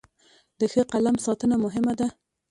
د ښه قلم ساتنه مهمه ده.